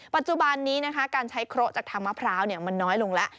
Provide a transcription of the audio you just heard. ปัจจุบันนี้นะคะการใช้เคราะห์จากทางมะพร้าวมันน้อยลงแล้ว